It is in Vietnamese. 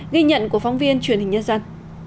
ghi nhận của phóng viên truyền hình nhân dân